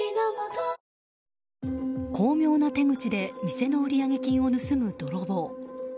巧妙な手口で店の売上金を盗む泥棒。